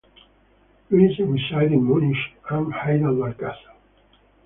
Louis resided in Munich and Heidelberg Castle.